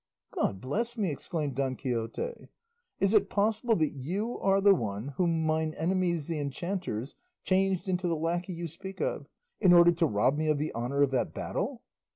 "God bless me!" exclaimed Don Quixote; "is it possible that you are the one whom mine enemies the enchanters changed into the lacquey you speak of in order to rob me of the honour of that battle?"